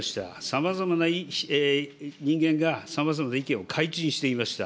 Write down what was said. さまざまな人間がさまざまな意見を開陳していました。